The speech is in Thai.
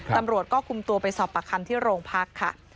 ตำรวจก็คุมตัวไปสอบปากคำที่โรงพักค่ะ